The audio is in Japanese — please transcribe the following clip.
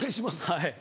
はい。